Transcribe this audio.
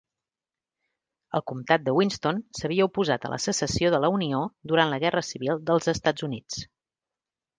El comtat de Winston s'havia oposat a la secessió de la Unió durant la Guerra Civil dels Estats Units.